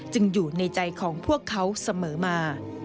อยู่ในใจของพวกเขาเสมอมา